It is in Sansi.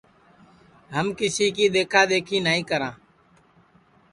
ہم کِسی کی دؔیکھا دؔیکھی نائی کراں